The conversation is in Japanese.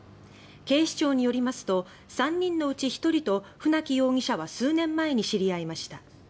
警視庁によりますと家族の母親は船木容疑者と数年前に知り合いました。